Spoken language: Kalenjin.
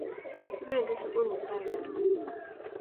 Kipendi sukul mutai karon